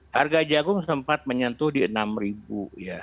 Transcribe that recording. harga jagung sempat menyentuh di enam ribu ya